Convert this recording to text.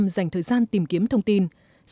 bốn mươi dành thời gian tìm kiếm thông tin